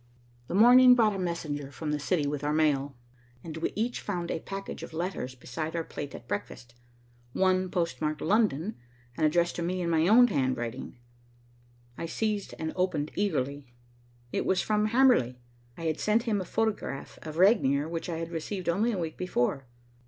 The morning brought a messenger from the city with our mail, and we each found a package of letters beside our plate at breakfast. One postmarked London and addressed to me in my own handwriting, I seized and opened eagerly. It was from Hamerly. I had sent him a photograph of Regnier, which I had received only a week before.